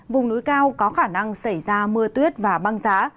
vùng núi cao có khả năng xảy ra mưa tuyết và băng giá